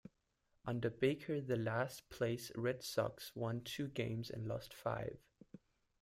Under Baker, the last-place Red Sox won two games and lost five.